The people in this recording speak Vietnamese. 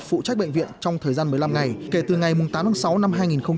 phụ trách bệnh viện trong thời gian một mươi năm ngày kể từ ngày tám tháng sáu năm hai nghìn một mươi chín